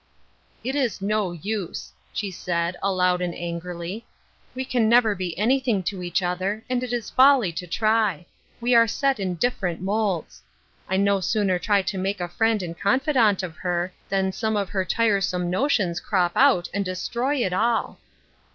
" It is no use," she said, aloud and angrily. " We can never be anything to each other, and it is folly to try. We are set in different molds. I no sooner try to make a friend and confidant of her than some of her tiresome notions crop out and destroy it all."